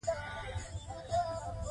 اضافي توکي مه اخلئ.